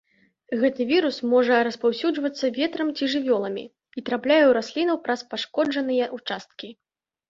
Гэты вірус можа распаўсюджвацца ветрам ці жывёламі і трапляе ў расліну праз пашкоджаныя ўчасткі.